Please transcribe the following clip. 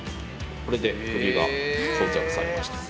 これで首が装着されました。